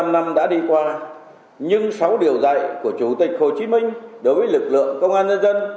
bảy mươi năm năm đã đi qua nhưng sáu điều dạy của chủ tịch hồ chí minh đối với lực lượng công an nhân dân